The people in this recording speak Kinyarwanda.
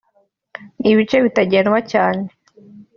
n’ ibice bitagendwa cyane